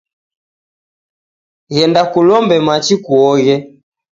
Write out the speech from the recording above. Ghenda kulombe machi kuoghe.